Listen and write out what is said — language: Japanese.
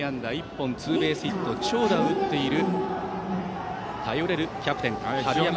１本、ツーベースヒット長打を打っている頼れるキャプテン、春山。